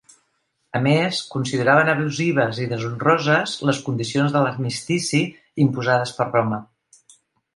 A més, consideraven abusives i deshonroses les condicions de l'armistici imposades per Roma.